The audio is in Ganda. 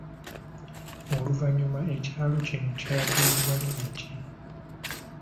Oluvannyuma ekyalo kino kyatuumibwa linnya ki?